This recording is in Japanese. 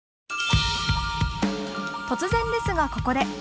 突然ですがここで「教えて！